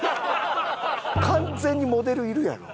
完全にモデルいるやろ。